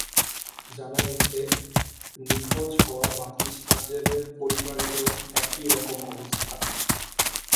জানা গেছে, নিখোঁজ হওয়া বাকি সাত জেলের পরিবারেও একই রকম অবস্থা।